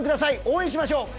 応援しましょう！